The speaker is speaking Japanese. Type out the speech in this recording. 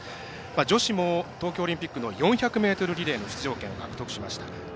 女子も東京オリンピックの４００ｍリレーの出場権を獲得しました。